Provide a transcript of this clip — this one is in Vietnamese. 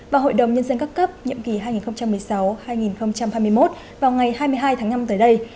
và hội đồng nhân dân các cấp nhiệm kỳ hai nghìn một mươi sáu hai nghìn hai mươi một vào ngày hai mươi hai tháng năm tới đây